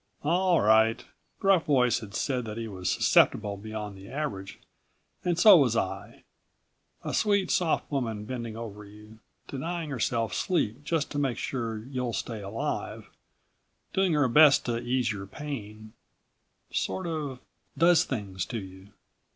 All right. Gruff Voice had said that he was susceptible beyond the average and so was I. A sweet soft woman bending over you, denying herself sleep just to make sure you'll stay alive, doing her best to ease your pain, sort of ... does things to you.